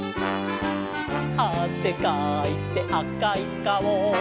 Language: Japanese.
「あせかいてあかいかお」